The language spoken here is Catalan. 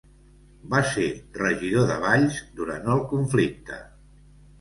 Va ser regidor de Valls durant el conflicte.